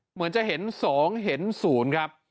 เหมือนจะเห็น๒เห็น๐ครับ